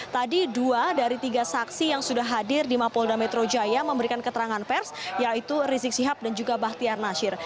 tadi dua dari tiga saksi yang sudah hadir di mapolda metro jaya memberikan keterangan pers yaitu rizik sihab dan juga bahtiar nasir